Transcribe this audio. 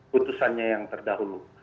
putusannya yang terdahulu